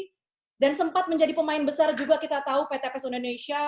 masih menjadi kunci dan sempat menjadi pemain besar juga kita tahu pt pos indonesia